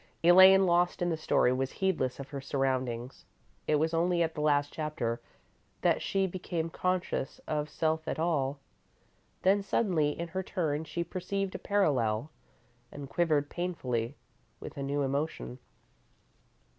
Elaine, lost in the story, was heedless of her surroundings. It was only at the last chapter that she became conscious of self at all. Then, suddenly, in her turn, she perceived a parallel, and quivered painfully with a new emotion.